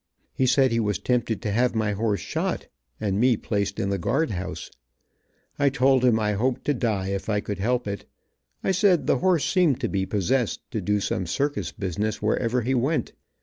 He said he was tempted to have my horse shot, and me placed in the guard house. I told him I hoped to die if I could help it. I said the horse seemed to be possessed to do some circus business wherever he went.